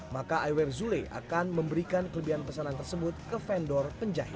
maka awer zule akan memberikan kelebihan pesanan tersebut ke vendor penjahit